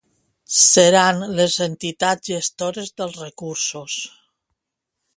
Seran les entitats gestores dels recursos.